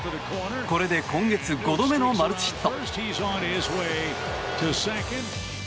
これで今月５度目のマルチヒット。